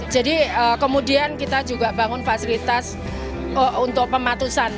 jadi kemudian kita juga bangun fasilitas untuk pematusan